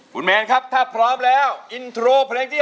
คุณแมนครับถ้าพร้อมแล้วอินโทรเพลงที่๑